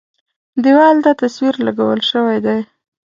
دېوال ته تصویر لګول شوی دی.